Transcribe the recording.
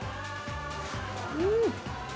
うん！